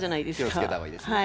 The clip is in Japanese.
気をつけた方がいいですね。